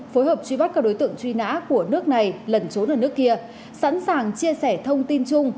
phối hợp truy bắt các đối tượng truy nã của nước này lẩn trốn ở nước kia sẵn sàng chia sẻ thông tin chung